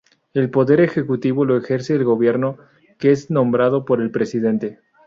El poder ejecutivo lo ejerce el gobierno, que es nombrado por el presidente.